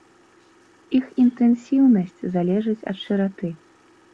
Іх інтэнсіўнасць залежыць ад шыраты.